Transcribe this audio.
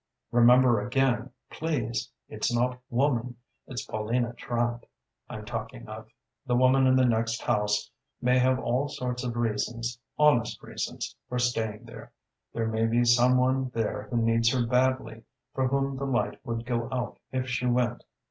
"'Remember again, please, it's not Woman, it's Paulina Trant, I'm talking of. The woman in the next house may have all sorts of reasons honest reasons for staying there. There may be some one there who needs her badly: for whom the light would go out if she went.